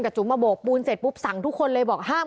คิดว่าถูกสะกดไหม